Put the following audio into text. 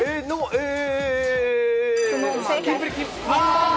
えー。